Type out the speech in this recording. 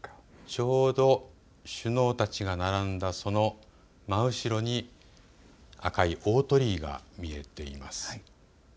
ちょうど首脳たちが並んだその真後ろに赤い大鳥居が見えています。